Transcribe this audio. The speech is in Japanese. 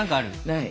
ない！